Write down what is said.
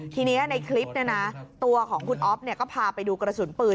ทีนี้ในคลิปตัวของคุณอ๊อฟก็พาไปดูกระสุนปืน